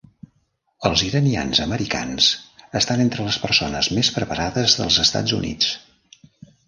Els iranians americans estan entre les persones més preparades dels Estats Units.